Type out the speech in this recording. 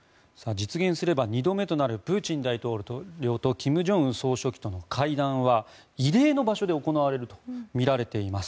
実現すれば２度目となるプーチン大統領と金正恩総書記との会談は異例の場所で行われるとみられています。